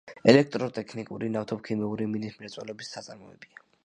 ელექტროტექნიკური, ნავთობქიმიური, მინის მრეწველობის საწარმოებია.